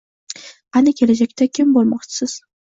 Qani, kelajakda kim bo‘lmoqchisiz?